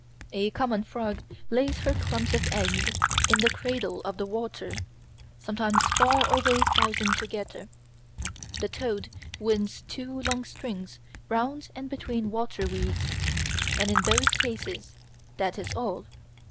A common frog lays her clumps of eggs in the cradle of the water, sometimes far over a thousand together; the toad winds two long strings round and between water weeds; and in both cases that is all.